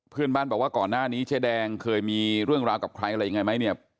เพื่อนบ้านบอกว่าก่อนหน้านี้เจ๊แดงเคยมีเรื่องราวกับใครอะไรยังไงไหมเนี่ย